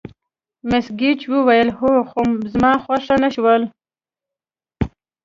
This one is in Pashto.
مس ګېج وویل: هو، خو زما خوښه نه شول.